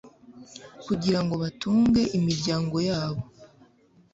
kugira ngo batunge imiryango yabo